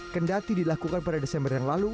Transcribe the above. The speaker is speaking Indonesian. kendati dilakukan pada desember yang lalu